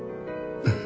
うん。